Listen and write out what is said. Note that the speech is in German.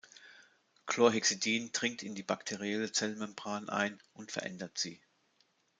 Chlorhexidin dringt in die bakterielle Zellmembran ein und verändert sie.